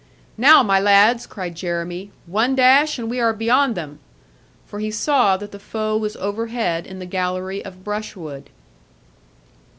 'Now, my lads,' cried Jeremy, 'one dash, and we are beyond them!' For he saw that the foe was overhead in the gallery of brushwood.